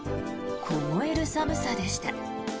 凍える寒さでした。